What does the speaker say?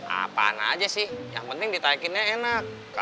apaan aja sih yang penting ditaikinnya enak